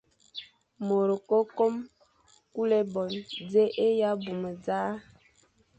Môr ke kôm kul ébôñe, nzè e ya abmum dia.